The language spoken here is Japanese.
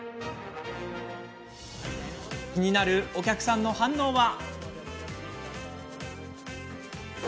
気になる、お客さんの反応は？